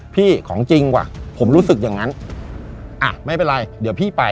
ของจริงว่ะผมรู้สึกอย่างนั้นอ่ะไม่เป็นไรเดี๋ยวพี่ไป